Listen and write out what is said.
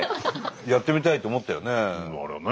やってみたいって思ったよね。